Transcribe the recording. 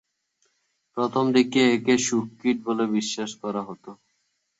প্রথমদিকে একে শূককীট বলে বিশ্বাস করা হত।